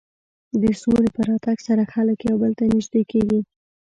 د سولې په راتګ سره خلک یو بل ته نژدې کېږي.